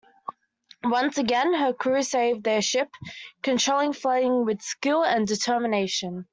Once again her crew saved their ship, controlling flooding with skill and determination.